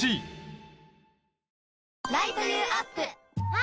あ！